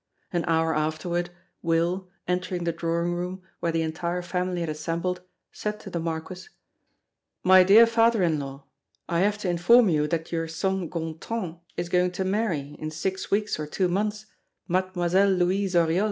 An hour afterward, Will, entering the drawing room, where the entire family had assembled, said to the Marquis: "My dear father in law, I have to inform you that your son Gontran is going to marry, in six weeks or two months, Mademoiselle Louise Oriol."